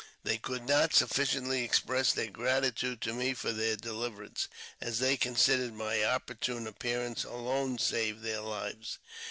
They could not sufficiently express their gratitude to me for their deliverance, as they considered my opportune appearance alone saved their lives.